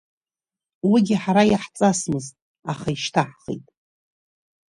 Уигьы ҳара иаҳҵасмызт, аха ишьҭаҳхит.